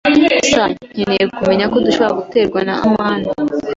[S] Nkeneye kumenya ko dushobora guterwa na amani.